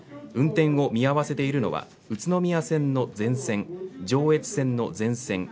運転を見合わせているのは宇都宮線の全線上越線の全線